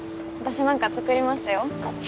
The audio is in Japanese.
私なんか作りますよ。